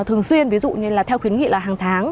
thường xuyên ví dụ như là theo khuyến nghị là hàng tháng